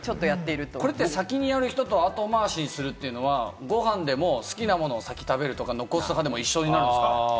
先にやる人と後回しするというのは、ご飯でも、好きなものを先に食べるとか、残す派でも一緒になるんですか？